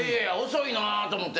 遅いなと思って。